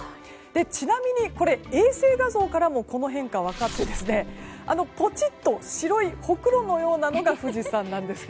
ちなみにこれ衛星画像からもこの変化、分かってぽちっと白いほくろのようなものが富士山。